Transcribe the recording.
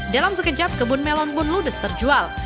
dalam sekejap kebun melon pun ludes terjual